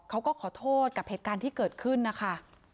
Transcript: เขาก็ขอโทษกับเหตุการณ์ที่เกิดขึ้นนะคะ